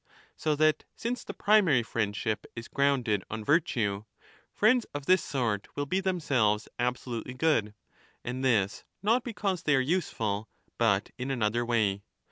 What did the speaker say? So that since the primary friendship is grounded on 10 virtue, friends of this sort will be themselves absolutely good, and this not because they are useful, but in another way.